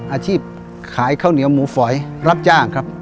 อาชีพขายข้าวเหนียวหมูฝอยรับจ้างครับ